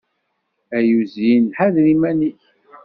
Ay uzyin, ḥader iman-ik!